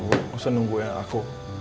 nggak usah nunggu ya aku